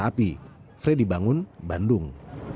dari kereta api fredy bangun bandung